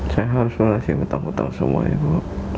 saya harus menghasilkan hutang hutang semuanya bu